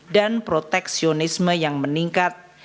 dan proteksionisme yang meningkat